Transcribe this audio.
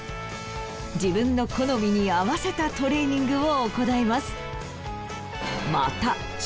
自分の好みに合わせたトレーニングを行えます。